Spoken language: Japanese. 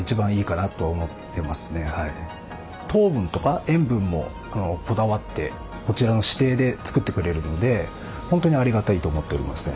糖分とか塩分もこだわってこちらの指定で作ってくれるので本当にありがたいと思っておりますね。